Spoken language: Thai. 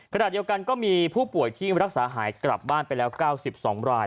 ขณะเดียวกันก็มีผู้ป่วยที่รักษาหายกลับบ้านไปแล้ว๙๒ราย